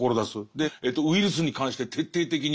でウイルスに関して徹底的に。